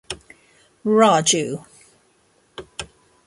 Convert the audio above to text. Raju.